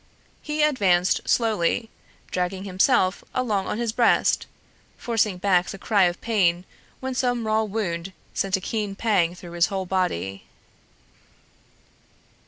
He advanced slowly, dragging himself along on his breast, forcing back the cry of pain when some raw wound sent a keen pang through his whole body.